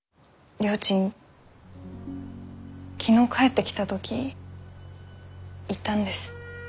りょーちん昨日帰ってきた時言ったんです。